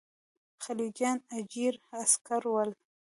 خلجیان اجیر عسکر ول.